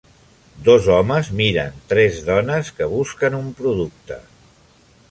Dos homes miren tres dones que busquen un producte.